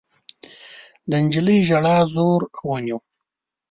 د نجلۍ ژړا زور ونيو.